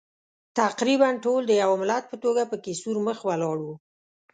تقریباً ټول د یوه ملت په توګه پکې سور مخ ولاړ وو.